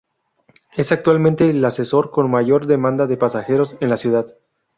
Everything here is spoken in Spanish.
Es actualmente el ascensor con mayor demanda de pasajeros en la ciudad.